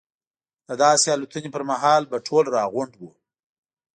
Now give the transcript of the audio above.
د داسې الوتنې پر مهال به ټول راغونډ وو.